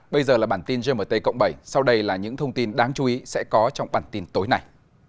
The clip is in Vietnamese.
bây giờ là bản tin gmt cộng bảy sau đây là những thông tin đáng chú ý sẽ có trong bản tin tối nay